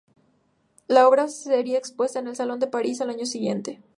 La obra sería expuesta en el Salón de París al año siguiente.